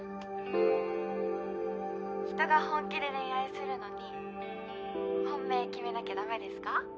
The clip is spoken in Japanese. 人が本気で恋愛するのに本命決めなきゃだめですか？